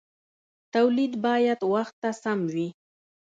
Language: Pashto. تولید باید وخت ته سم وي.